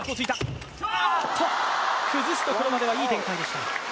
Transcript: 崩すところまではいい展開でした。